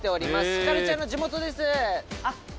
ひかるちゃんの地元です。